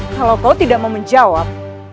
kalau kau tidak mau menjawab